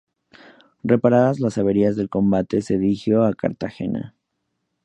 Reparadas las averías del combate se dirigió a Cartagena.